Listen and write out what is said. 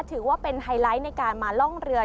ถือว่าเป็นไฮไลท์ในการมาล่องเรือ